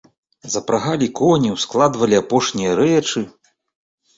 Запрагалі коні, ускладвалі апошнія рэчы.